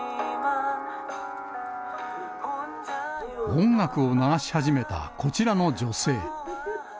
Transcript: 音楽を流し始めたこちらの女性。